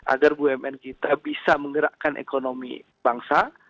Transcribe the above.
agar bumn kita bisa menggerakkan ekonomi bangsa